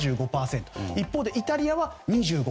一方、イタリアは２５％。